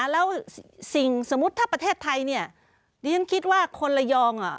แล้วสิ่งสมมุติถ้าประเทศไทยเนี่ยดิฉันคิดว่าคนระยอง